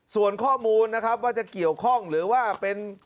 ส่วนข้อมูลนะครับว่าจะเกี่ยวข้องหรือว่าเป็น